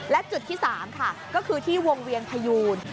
และจุดที่๓ค่ะก็คือที่วงเวียงพยูน